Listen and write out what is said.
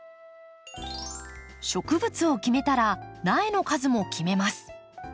植物を決めたら苗の数も決めます。